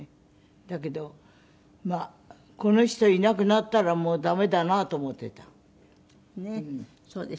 だけどまあこの人いなくなったらもう駄目だなと思っていた。